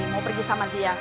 mau pergi sama dia